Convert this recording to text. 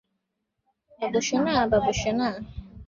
বাবুসোনা, বাবুসোনা!